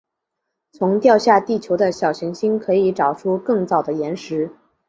从掉下地球的小行星可以找出更早的岩石。